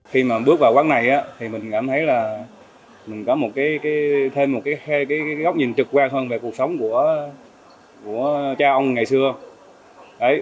khi mà bước vào quán này thì mình cảm thấy là mình có thêm một cái góc nhìn trực quan hơn về cuộc sống của cha ông ngày xưa